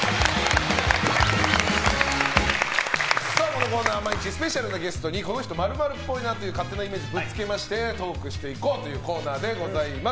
このコーナーは、毎日スペシャルなゲストにこの人○○っぽいという勝手なイメージをご本人にぶつけましてトークしていこうというコーナーです。